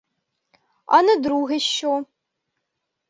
А не друге що?